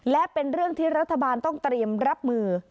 และเป็นเรื่องที่รัฐบาลต้องเตรียมรับมือ